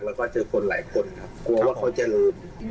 แล้วก็เจอคนหลายคนครับกลัวว่าเขาจะลืม